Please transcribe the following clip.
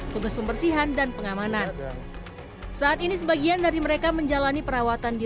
tugas pembersihan dan pengamanan saat ini sebagian dari mereka menjalani perawatan di